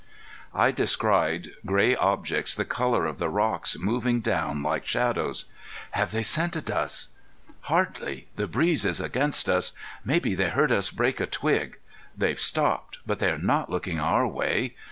I descried gray objects the color of the rocks, moving down like shadows. "Have they scented us?" "Hardly; the breeze is against us. Maybe they heard us break a twig. They've stopped, but they are not looking our way.